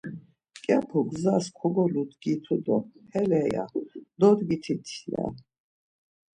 Mǩyapu gzas kogoludgitu do, hele, ya, dodgititiiuuut ya.